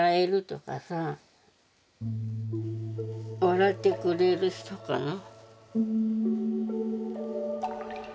笑ってくれる人かな。